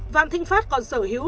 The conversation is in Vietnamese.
vạn thịnh pháp còn sở hữu